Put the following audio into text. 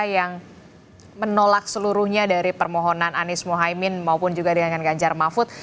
yang menolak seluruhnya dari permohonan anies mohaimin maupun juga dengan ganjar mahfud